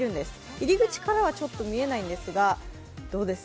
入り口からはちょっと見えないんですがどうです？